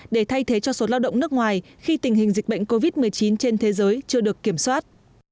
để thay thế cho số lao động nước ngoài khi tình hình dịch bệnh covid một mươi chín trên thế giới chưa được kiểm soát